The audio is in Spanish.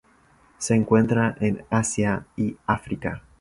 Se encuentra en Asia y África.